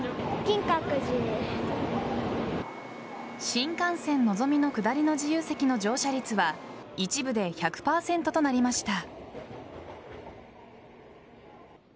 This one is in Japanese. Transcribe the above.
新幹線のぞみの下りの自由席の乗車率は一部で１００％となりました。